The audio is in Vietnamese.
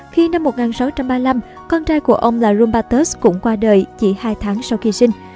khi năm một nghìn sáu trăm ba mươi năm con trai của ông là rombatus cũng qua đời chỉ hai tháng sau khi sinh